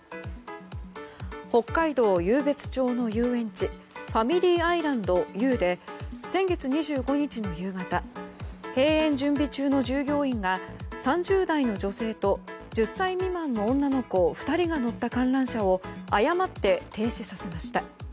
北海道湧別町の遊園地ファミリー愛ランドＹＯＵで先月２５日の夕方閉園準備中の従業員が３０代の女性と１０歳未満の女の子２人が乗った観覧車を誤って停止させました。